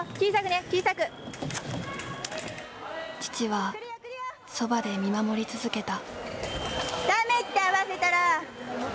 父はそばで見守り続けた。